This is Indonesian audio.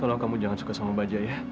tolong kamu jangan suka sama baja ya